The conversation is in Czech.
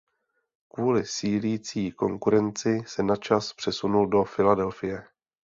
Kvůli sílící konkurenci se na čas přesunul do Filadelfie.